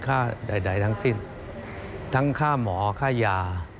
ค่าใดทั้งสิ้นทั้งค่าหมอค่ายา